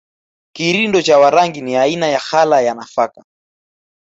Kirindo cha Warangi ni aina ya ghala ya nafaka